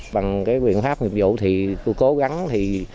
bằng cái quyền pháp nhiệm vụ thì tôi cố gắng thì